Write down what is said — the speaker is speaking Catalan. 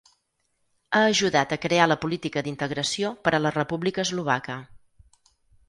Ha ajudat a crear la Política d'Integració per a la República Eslovaca.